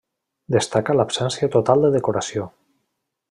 Destaca l'absència total de decoració.